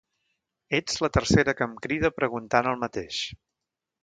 Ets la tercera que em crida preguntant el mateix.